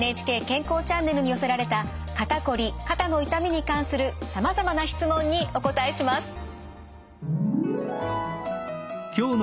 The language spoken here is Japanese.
ＮＨＫ健康チャンネルに寄せられた肩こり肩の痛みに関するさまざまな質問にお答えします。